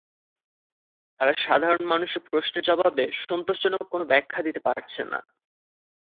তাঁরা সাধারণ মানুষের প্রশ্নের জবাবে সন্তোষজনক কোনো ব্যাখ্যা দিতে পারছেন না।